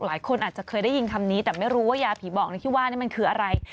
แต่ไม่รู้ว่ายาผีบอกคิดว่านี่มันคืออะไร